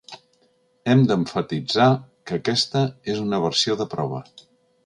He d'emfatitzar que aquesta és una versió de prova.